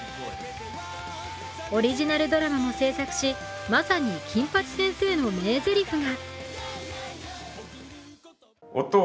オリジナルドラマも制作しまさに金八先生の名ぜりふが。